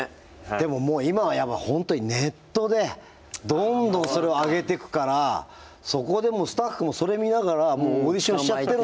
でももう今はやっぱ本当にネットでどんどんそれを上げてくからそこでもうスタッフもそれ見ながらもうオーディションしちゃってるんですよ。